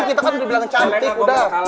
kita kan udah bilang cantik udah